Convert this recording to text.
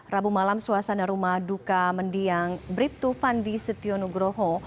rabu malam suasana rumah duka mendiang bribtu fandi setion nugroho